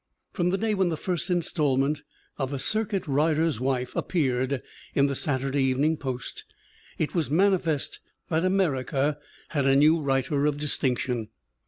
From the day when the first install ment of A Circuit Rider's Wife appeared in the Sat urday Evening Post it was manifest that America had a new writer of distinction.